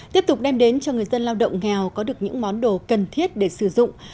tiếp tục đem đến cho người dân lao động nghèo có được những món đồ cần thiết để sử dụng